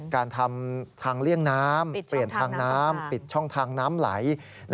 การทำทางเลี่ยงน้ำเปลี่ยนทางน้ำปิดช่องทางน้ำไหล